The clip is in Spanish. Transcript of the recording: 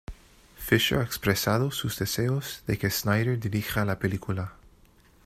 Fisher ha expresado sus deseos de que Snyder dirija la película.